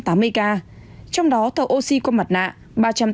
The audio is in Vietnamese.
trong đó thở oxy qua mặt nạ ba trăm tám mươi ca